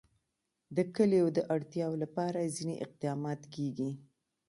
د کلیو د اړتیاوو لپاره ځینې اقدامات کېږي.